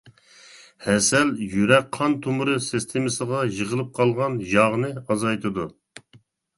ھەسەل يۈرەك قان تومۇرى سىستېمىسىغا يىغىلىپ قالغان ياغنى ئازايتىدۇ.